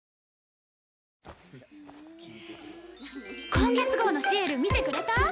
今月号の『ＣｉＥＬ』見てくれた？